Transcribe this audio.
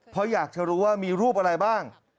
เพราะอยากจะรู้ว่ามีรูปอะไรบ้าง